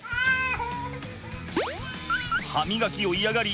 歯みがきを嫌がり